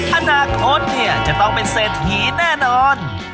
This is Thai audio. อาณาโขทนี่จะต้องเป็นเสร็จหินแน่นอน